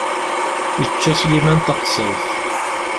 Yečča Sliman taxsayt!